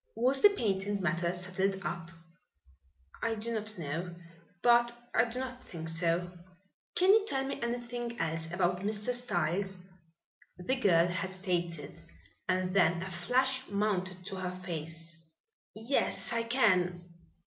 "Was the patent matter settled up?" "I do not know, but I do not think so." "Can you tell me anything else about Mr. Styles?" The girl hesitated and then a flush mounted to her face. "Yes, I can.